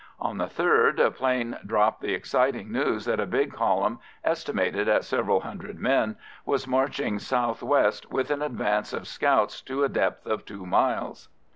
On the third a 'plane dropped the exciting news that a big column, estimated at several hundred men, was marching south west with an advance of scouts to a depth of two miles.